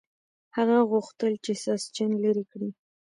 هغه غوښتل چې ساسچن لرې کړي.